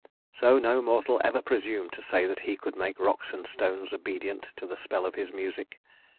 So no mortal ever presumed to say that he could make rocks and stones obedient to the spell of his music.